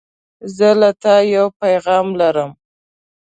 زه له تا یو پیغام لرم.